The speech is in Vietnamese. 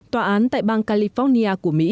tòa án tại bang california của mỹ